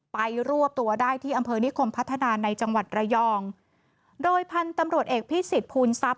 รวบตัวได้ที่อำเภอนิคมพัฒนาในจังหวัดระยองโดยพันธุ์ตำรวจเอกพิสิทธิภูลทรัพย